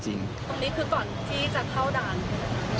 ตรงนี้คือก่อนที่จะเข้าด่าน